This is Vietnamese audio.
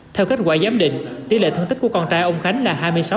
theo kết quả giám định tỷ lệ thương tích của con trai ông khánh là hai mươi sáu